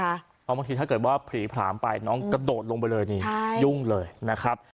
เพราะบางทีถ้าเกิดว่าผลีผลามไปน้องกระโดดลงไปเลยนี่ยุ่งเลยนะครับ